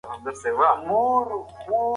هغه کله ناکله د اقتصادي پرمختیا کلمه هم لیکي.